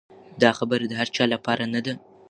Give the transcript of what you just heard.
دا خبره د هر چا لپاره نه ده.